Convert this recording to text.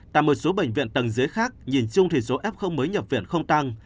tại một số bệnh viện tầng dưới khác nhìn chung thì số f mới nhập viện không tăng